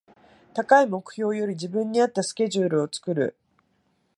高い目標より自分に合ったスケジュールを作る